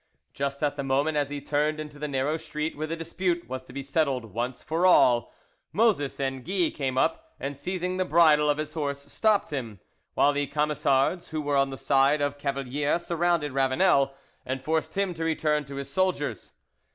Just at the moment as he turned into the narrow street where the dispute was to be settled once for all, Moses and Guy came up, and seizing the bridle of his horse stopped him, while the Camisards who were on the side of Cavalier surrounded Ravanel and forced him to return to his soldiers.